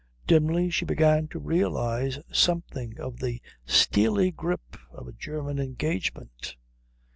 Dimly she began to realise something of the steely grip of a German engagement.